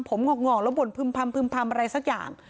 ผมหงอกหงอกแล้วบนพึ่มพำพึ่มพำอะไรสักอย่าง